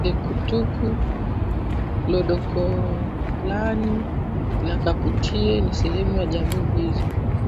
Dalalekutuk Loodokolani na Kaputiei ni sehemu ya jamii hizo